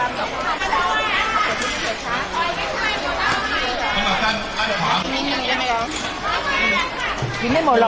จะช่วยกันได้ไหมครับ